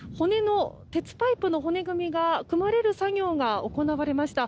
鉄パイプの骨組みが組まれる作業が行われました。